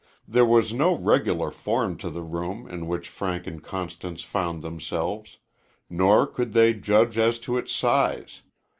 There was no regular form to the room in which Frank and Constance found themselves, nor could they judge as to its size.